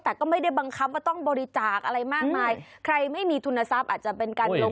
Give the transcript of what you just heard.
แต่ก็ไม่ได้บังคับว่าต้องบริจาคอะไรมากมายใครไม่มีทุนทรัพย์อาจจะเป็นการลง